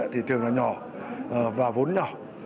thì thường là nhỏ và vốn nhỏ